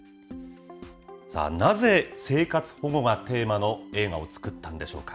さあ、なぜ生活保護がテーマの映画を作ったんでしょうか。